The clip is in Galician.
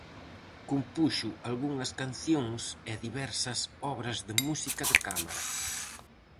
Compuxo algunhas cancións e diversas obras de música de cámara.